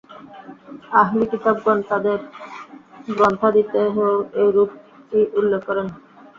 আহলি কিতাবগণ তাদের গ্রন্থাদিতেও এরূপই উল্লেখ করেছেন।